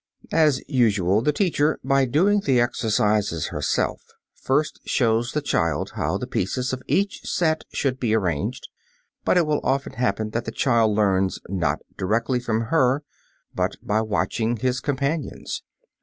As usual, the teacher, by doing the exercises herself, first shows the child how the pieces of each set should be arranged, but it will often happen that the child learns, not directly from her, but by watching his companions.